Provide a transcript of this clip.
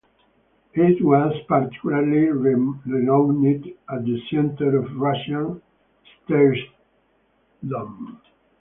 It was particularly renowned as the centre of Russian staretsdom.